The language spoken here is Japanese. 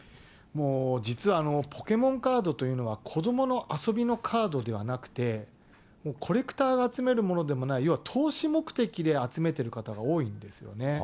実は、ポケモンカードというのは、子どもの遊びのカードではなくて、コレクターが集めるものでもない、いわば投資目的で集めてる方が多いんですよね。